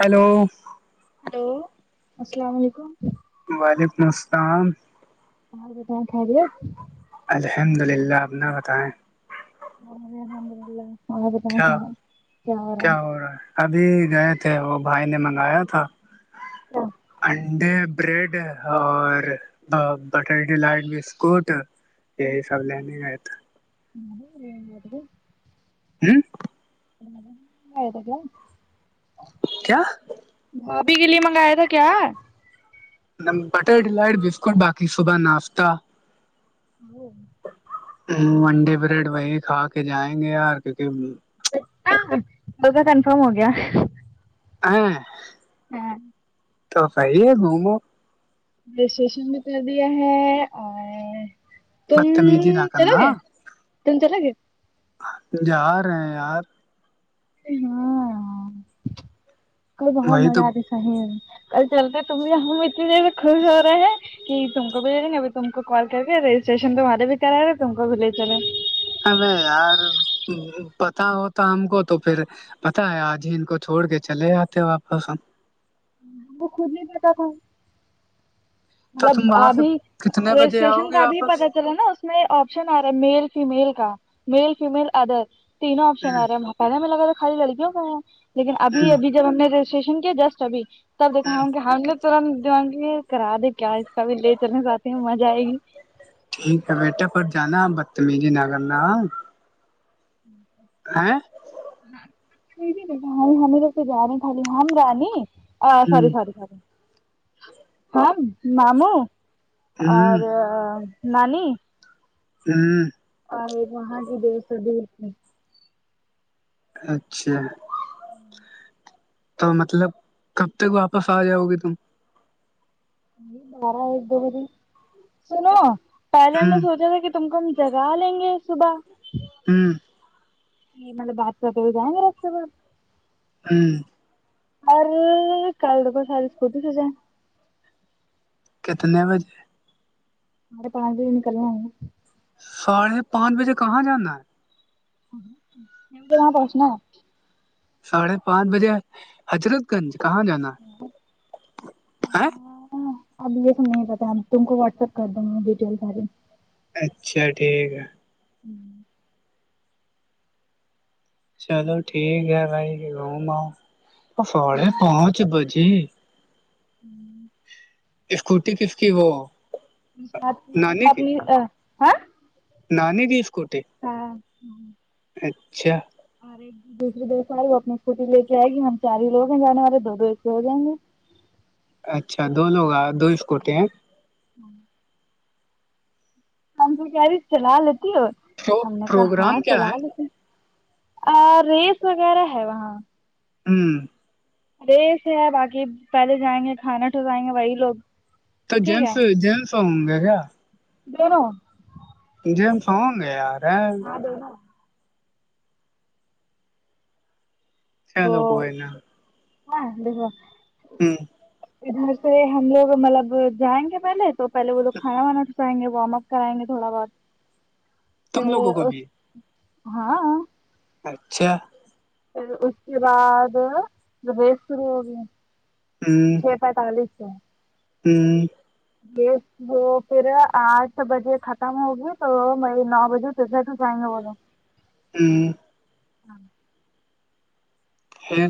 hello hello السلام علیکم وعلیکم السلام آاں جیں کھ دے الحمد للہ آپ نے بتائیں الحمد للہ وبت کیا کیا ہوا ہو رہا ہے ابھی گئے تھے وہ بھائی نے منگایا تھا ہے انڈے بریڈ اور بٹر ڈیلائٹ بسکٹ یہ ہی سب لینگ ہے جی یہ آے ہوں تو کیا کیا بھابھی کے لیے منگایا تھا کیا بٹر ڈیلائٹ بسکٹ باقی صبح ناشتہ ہاں ونڈے بریڈ وہی کھا کے جائیں گے یار کیونکہ بل کاا کنفرم ہو گیا ہاں ہاں تو صحی ہے گھومو رجسٹریشن میں کر دیا ہے اور تم بدتمیزی نہ چلا کرنا گ تم چلا گ جا رہے ہیں یار ہاں کل بہت وہی مزہ تو آتی نہیں کل چلتے تم ہم مت جیس خوش ہو رہا ہے کہ تم کو بھی لے لیں گے اب تم کو کال کر کے رجسٹریشن توہارے بھی کرا رہا تم کو بھی لے چلے ہمیں یار پت ہو تو ہم کو تو پھر پتا ہے آج ہی ان کو چھوڑ کے چلے آاتتے واپس وہ خج کو تو مطلب تم وہاں سے ابھی کتنے بجے آؤ رجسٹریشن کا گے ابھی واپس پتا رہ نا اس میں آپشن آ رہا ہے میل فیمیل کا میل فیمیل ادر تینوں آپشن ہوں آ رہے ہیں پہے میں لگا تھا خالی لڑکیوں کا ہیں لیکن ابھی ہوں اب جب ہم نے رجسٹریشن کیا جسٹ اب تب دیکھا ہوں ہ کہ ہم نے تنت کرا د کیا اس کا بھی لے چلنا چاہتی ہ مزہ آئے گی ٹھیک ہے بیٹا پر جانا بدتمیزی نہ کرنا ہوںی ہےاں ہمیں تو تو جانے خالی ہم رانی آ ساری ساری ساری ہاں ماموں اور نانی ھمم [unintelligible] اچھا ھمم تو مطلب کب تک واپس آ جاؤ گی تم بارا ایک دو بری سنو پہلے ہم نے ہوں سوچا تھا کہ تم کو ہم جگا لیں گے صبح ھمم یہ مطلب بادشاہ تو جائیں گ راستے ھمم اورر کل د کو ساری اسکوٹی سے جے کتنے بجے مرے پان د نکلنا ہوا ساڑھے پانچ بجے کہاں جانا ہے توا پسنا ساڑھے پانچ بجے حضرت گنج کہاں جانا ہے ہے ہاں اب یہ تو نہیں پتا ا تم کو واٹس ایپ کر د دووں گا ڈیٹیل سے اچھا ٹھیک ہے چلو ٹھیک ہے بھائی روم آؤ ساڑے پانچ بجے ھممم اسکوٹی کس کی وہ تو آنی ہاں نان دیس کوٹے [unintelligible] ہاںچا اچھا دوسری دس آئے وہ اپنی اسکوٹی لے آئے گی ہم چار ہیوگ ہیں جانے والے دو دو ایسے ہو جائیں گے اچھا دو لوگ دو اسکوٹے ہیں ھمم ہم تو گاڑی چلا لیتی اور ہم نے کہا ہاں پروگرام کیا چلا ہے لیتی ا ریس وغیرہ ہے وہاں ھمم ارےسے ہے باقی پہلے جائیں گے کھانا ٹھرائیں گے وہی لوگ تو ٹھیک جیمس جیمس ہوں گے کیا ین مجھے ہم سؤ گے یار ہے ا وہ چلو کوئی نا ہاں دیکھو ھمم ادھر سے ہم لوگ مطلب جائیں گے پہلے تو پہلے وہ تو کھانا وانا کھلائیں گے وارم اپ کرائیں گے تھوڑا بہت پ تم لوگوں کو اس بھی ہاں اچھا پھر اس کے بعد ریس شرو ہو گئی ہ چپ ہے تانگلی ہ [unintelligible] وہ پھر آٹھ بجے ختم ہوگی تو میں نو بجے [unintelligible] ہوں ہوں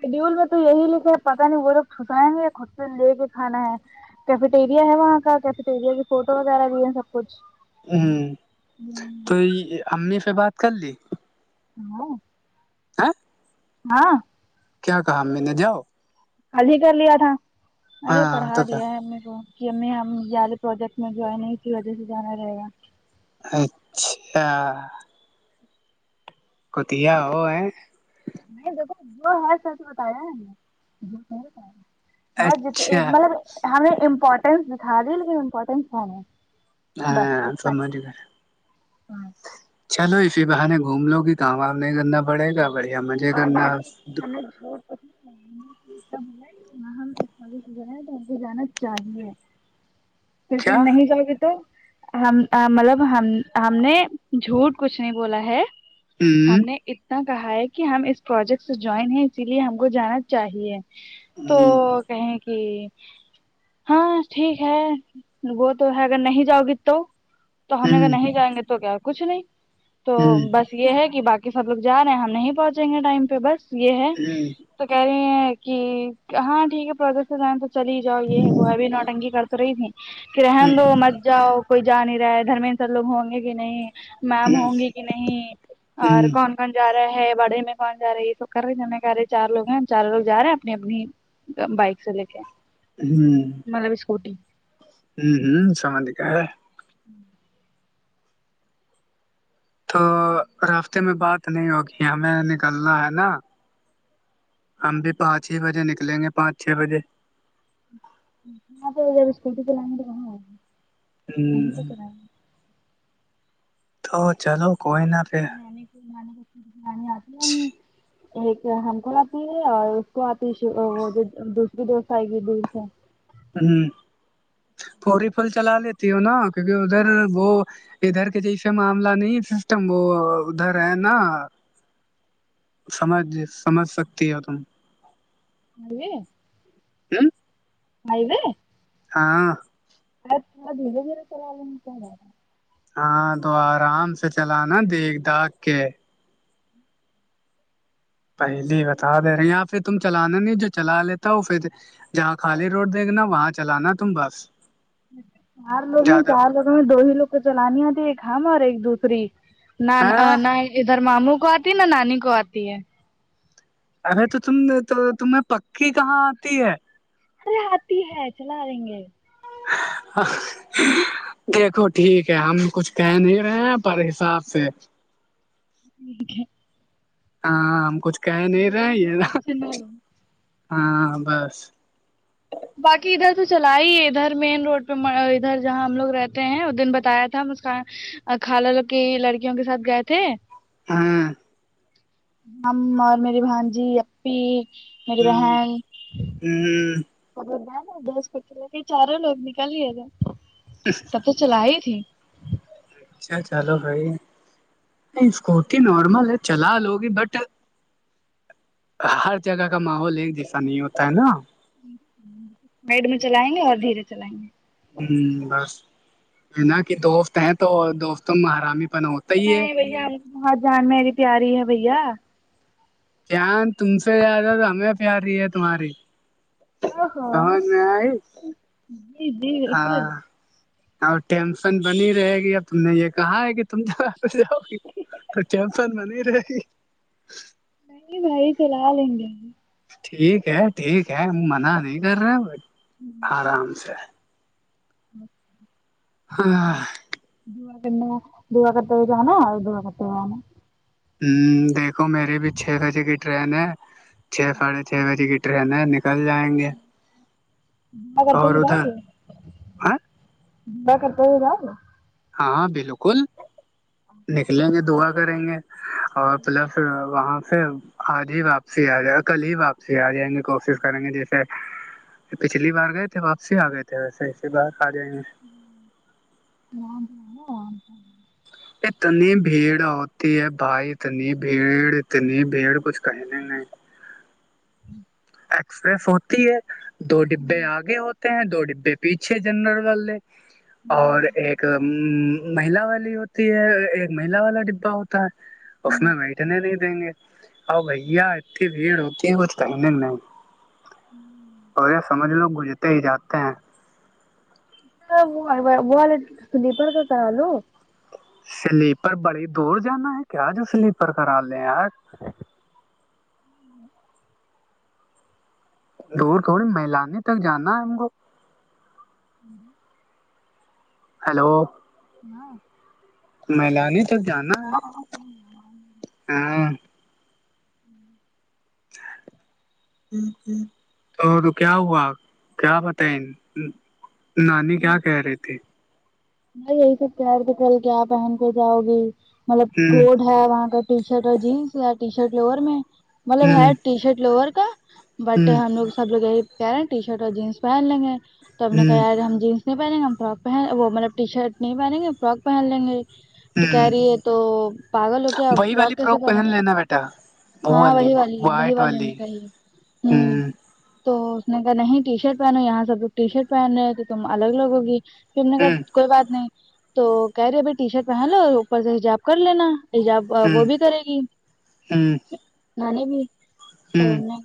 شڈیول میں تو یہی لکھا ہے پتاہ نہیں وہ لوگ چھسائیں گے یا خود سے لے کے کھانا ہے کیفیٹیریا ہے وہاں کا کیفیٹیریا کی فوٹو وغیرہ بھی ہے سب کچھ ہوں تو یہ امی سے بات کر لی ہاں [unintelligible] ہاں کیا کہا امی نے جاؤ حال ہی گھر لیا تھا ارے ہاں پڑھا تو کیا دیا ہے امی کو کہ ہمیں ہم یہیالے پروجیکٹ میں جوائن ہے کی وجہ سے جانا رہے گا اچھا کوتیہ وہ ہے نہیں دیکھو جو ہے سچ بتایا ہے جو بتا بس جسے اچھا مطلب ہمیں امپورٹینس دکھا دیی لیکن امپورٹینس کیا ہے بس ہاں اتنا سمجھ گئے ہی چلو اسی بہانے گھوم لو گی کام وام نہیں کرنا پڑے گا بڑھیا مزے اور کرنا باقی [unintelligible] [unintelligible] جانا چاہیے کیا کرکن نہیں جاوگے تو ہم مطلب ہم ہم نے جھوٹ کچھ نہیں بولا ہے ہم ہوں نے اتناکہا ہے کہ ہم اس پروجیکٹ سے جوائن ہے اسی لیے ہم کو جانا چاہیے تو ہوں کہیں کہ ہاں ٹھیک ہے وہ تو ہے اگر نہیں جاؤ گےتو تو ہم اگر ہوں نہیں جائیں گے تو کیا کچھ نہیں تو ہوں ہوں بس یہ ہے کہ باقی سب لوگ جا رہے ہیں ہم نہیں پہنچیے گے ٹائم پہ بس یہ ہے ہوں تو کہہ رہی ہیں کہ ہاں ٹھیک ہے پروجیکٹ سے جائیں تو چلی ہی جاؤ یہ ہے وہ ابھی نوٹنگی کر تو رہی تھی کہ رہنے ہوں دو مت جاؤ کوئی جا نہیں رہا ہے گھر میں لوگ ہو نگے بھی نہیں میم ہوں گی کہ نہیں اور ہوں ہوں کون کونا رہا ہے بڑے میں کونا رہا ہے یہ س کر رہے ہیں ج میں کر رہے چار لوگ ہیں چار لو جا رہے ہیں اپنی اپنی بائک چلے کے ہوں مطلب اسکوٹی ہوں ہ [unintelligible] [inaudible] تو رستے میں بات نہیں ہونگی ہمیں نکلنا ہے نا ہم بھی پانچ ہی بجے نکلیں گے پانچ چھ بجے اسکوٹی چلائیں گے وہاں ہمیں تو ہوں چلائیں گے تو چلو کوئی نہ پھر نے آتی جی ہے ایک ہم کو آتی ہے اور اس کو آتی ہے وہ دوسری دوست آئے گی دور سے ہاں پوری پھل چلا لیتی ہو نا کیونکہ ادھر وہ ادھر کے جیسے معاملہ نہیں سسٹم وہ ادھر ہے نا سمجھ سمجھ سکتی ہے تم مے [unintelligible] آئی ہاں ار تھوڑا دھیرے دھیرے کرا لے کیا رہا ہاں تو آرام سے چل نا دیکھ دھاگ کے پہلی بتا دے رہے اں پھر تم چلانا نہیں جو چلا لیتا ہو پھر جہاں خالی روڈ دیکھناا وہاں چلانا تم بس چار لوگ ہیں زیادہ چار لوگوں میں دو ہی لوگ کو چلانیتیھی ایک ہم اور ایک دوسری نہ ہ نہ ادھر ماموں کو آتی نہ نانی کو آتی ہے ارے تو تم تو تمہیں پکی کہاں آتی ہے ارے ہاتھی ہے چلا رہیں گے ہاں دیکھو ٹھیک ہے ہم کچھ کہہ نہیں رہے ہیں پر حساب سے ٹیک ہے ہاں ہم کچھ کہ نہیں رہے دعا دو ہیں نا ٹینشن نہ لو ہاں بس باقی ادھر تو چلا ہی ادھر مین روڈ پہ ادھر جہاں ہم لوگ رہتے ہیں وہ دن بتایا تھا ہم اس کا کال کی لڑکیوں کے ساتھ گئے تھے ہاں ہم اور میری بھانجی اپی میری بہن ہاں ا نا دس کو لے کے چاروں لوگ نکلے تھ تب تو چلائی تھی اچھا چلو بھائی نہیں اسکوٹی نارمل ہے چلا لو گی بٹ ہر جگہ کا ماحول ہے جیسا نہیں ہوتا ہے نا میڈ میں چلائیں گے اور دھیرے چلائیں گے ہاں بس نا کہ دوست ہیں تو دوستوں میں آرام ہی پن ہوتے نہیں بھیا م بت جان میری پیاری ہے بھیا پیان تم سے زیادہ تو ہمیں پیاری ہے تمہاری او ہو آواز میں آئے جی جی بالکل ہاں اور ٹینشن بنی رہے گی اب ت نے یہ کہا ہے کہ تم جاں جاؤ گی تو چمپن بنی رہے گی نہیں اتھرا ہال ہنے ٹھیک ہے ٹھیک ہے منع نہیں کر رہے آرام سے ہی ہاں دا کرنا دوا کرتے بھی جناا اور دوا کرتے آناا ہاں دیکھو میری بھی چھ بجے کی ٹرین ہے چھ ساڑھے چھ بجے کی ٹرین ہے کل جائیں گے اور ادھر ہاں با کرتا ہو رام ہاں ہاں بالکل ہاں نکلیں گے دعا کریں گے اور پلس وہاں آجیاپ آ جائے کل ہی و آپسی آ جائیں گے کوشش کریں گے جیسے پچھلی بار گئے تھے واپسی آ گئے تھے ویسے ایے باہ آ جائیں گے [inaudible] اتنی بھیڑ ہوتی ہے بھائی اتنی بھیڑ نہیں بڑ کچھ کہ نہیں ہی ایکسپریس ہوتی ہے دو ڈبے آگے ہوتے ہیں دو ڈبے پیچھے جنرل والے اور ایک مہلا والی ہوتی ہے ایک مہیلا والا ڈبا ہوتا اس میں بیٹھنے نہیں دیں گے آؤ بھیا ا جی بھیوتی گت ہے اور یہ سمجھ لوگ گزرتے ہی جاتے ہیں وہ والے سلیپر کا کرا لو سلیپر بڑی دور جانا ہے کیا جو سلیپر کرا لے یار ہاں دور تھڑ مہلے تک جانا ہم کو ہوں ہیلو ہاں مہلانی تک جانا ہے ہاں ہاں ہوں تو تو کیا ہوا کیا بتیں نانی کیا کہہ رہی تھی نہیں یہی سک کہر تو کل کیا پہن کے جاؤ گی مطلب ہ کوٹ ہے وہاں کا ٹی شرٹ اور جینس یا ٹی شرٹ لوور میں مطلب ہے ہ ٹی شرٹ لوور کا بٹ ہم ہ لوگ سب لوگ یہی کہہ رہے ہیں ٹی شرٹ اور جینس پہن لیں گے تو ہم نے کہا یار ہم جینس نہیں پہنیں گے ہم فر پہن وہ مطلب ٹی شرٹ نہیں پہنیں گے فراک پہن لیں گے ہ ہ ٹکاریی ہے تو پاگل ہو کیاپ وہی والی فراک کیسے فروک پہن گا لینا بیٹا ہاں وہی والی وہی والی ان نے کہی ہوں تو اس نے کہا نہیں ٹی شرٹ پہنو یہاں سب لوگ ٹی شرٹ پہن رہے تھے تم الگ الگ ہوگی نے کہ ہوں کوئی بات نہیں تو کہہ رہی ا بھائی ٹی شرٹ پہن لو اوپر سے حجاب کر لینا حجاب ہوں وہ بھی کرے گی ہوں نانی بھی تو ہوں نے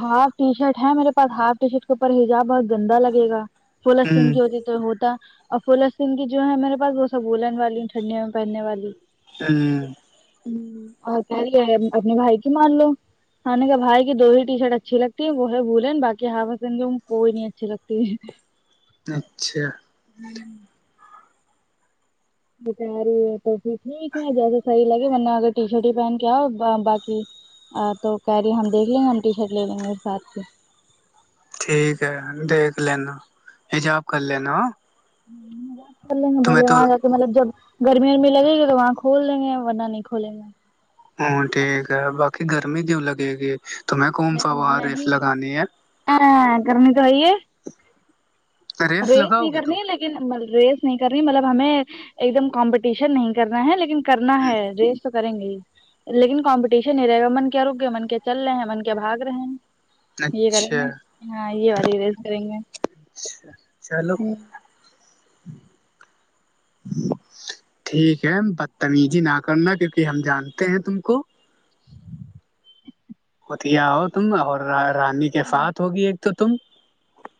ہاف ٹی شرٹ ہے میرے پاس ہاف ٹی شرٹ کے اوپر ہیجاب بہت گندا لگے گا فولا سنگ ہوں جو ہوتی تو ہوتا اور فلسن کی جو ہے میرے پاس وہ سبولن والی ٹنڈوں میں پہننے والی ہوں ہاں اور کہہ رہی ہے اپنے بھائی کی مان لو ہاں نے کہ بھائی کی دو ہی ٹی شرٹ اچھی لگتی ہے وہ ہے بھولے بای ہا ہس گ کوئی نہیں اچھی لگتی ہے اچھا ہوں بتا رہی ہے تو پھر ٹھیک ن جیسے صحیح لگے ورنہ اگر ٹی شرٹ ہی پہن کے آؤ باقی آ تو کہہ رہی ہم دیکھ لیں گے ہم ٹی شرٹ لے لیں گے پھر ساتھ کے ٹھیک ہے دیکھ لینا حجاب کر لینا بات کر لیں گے بلے وہاں تو مطلب جب گرمی گرمی لگے گی تو وہاں کھول دیں گے ورنہ نہیں کھولیں گے ہوں ٹھیک ہے باقی گرمی کیوں لگے گی توم کومفا رف نہیں لگانی ہے ہاں کرنی تو آئی ہے ریس ریت لگاؤ نہیں گے کرنی تم لیکن ریس نہیں کرنی مطلب ہمیں ایک دم کمپٹیشن نہیں کرنا ہے لیکن کرنا ہ ہے ری تو کریں گے لیکن کمپٹیشن ہی رہے گا من کیا رک گئے من کے چل رہے ہیں من کے بھگ رہے ہیں یہ کریں اچھا گے ہاں یہ والی ریز کریں گے اچھا چلو [inaudible] ٹھیک ہے بدتمیزی نہ کرنا کیونکہ ہم جانتے ہیں تم کو [inaudible] وہتیا ہو تم اور رانی کے ساتھ ہوگی ایک تو تم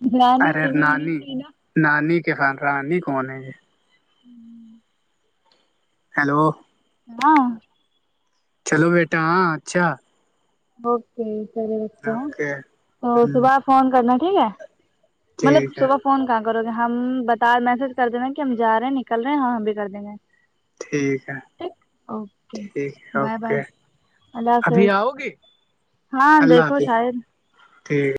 برانی ارے ٹیبل نہیں نانی تھی نا نانی کے ساتھ رانی کون ہے یہ [inaudible] ہیلو ہاں چلو بیٹا ہاں اچھا اوکے چلئے رکھتے ہے اوکے اور ہوں صبح فون کرنا ٹھیک ہے مطلب ٹھیک ہے صبح فون کہاں کرو گے ہم بتا میسج کر دیں کہ ہم جا رہے ہیں نکل رہے ہیں ہاں ہم بھی کر دیں گے ٹھیک ہے ٹھیک اوکے ٹھیک ہے بائے بائے اوکے اللہ ابھی حافظ آؤ گی ہاں اللہ دیکھو حافظ شاید ٹھیک